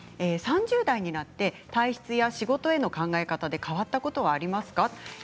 ３０代になって体質や仕事への考え方で変わったことはありますか？